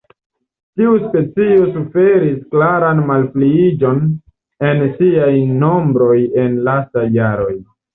Tiu specio suferis klaran malpliiĝon en siaj nombroj en lastaj jaroj.